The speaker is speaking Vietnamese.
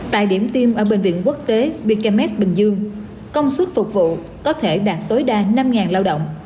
tại điểm tiêm ở bệnh viện quốc tế bkmex bình dương công suất phục vụ có thể đạt tối đa năm lao động